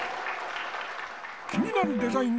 気になるデザイン